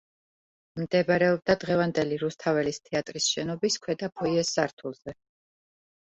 მდებარეობდა დღევანდელი რუსთაველის თეატრის შენობის ქვედა ფოიეს სართულზე.